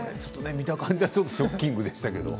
見た感じはショッキングでしたけど。